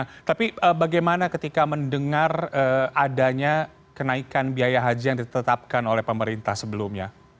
nah tapi bagaimana ketika mendengar adanya kenaikan biaya haji yang ditetapkan oleh pemerintah sebelumnya